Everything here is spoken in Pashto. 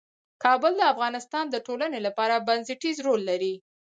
کابل د افغانستان د ټولنې لپاره بنسټيز رول لري.